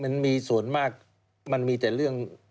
มันมีส่วนมากมันมีแต่เรื่อง